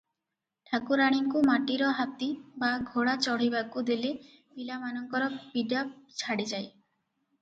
ଠାକୁରାଣୀଙ୍କୁ ମାଟିର ହାତୀ ବା ଘୋଡା ଚଢ଼ିବାକୁ ଦେଲେ ପିଲାମାନଙ୍କର ପୀଡ଼ା ଛାଡିଯାଏ ।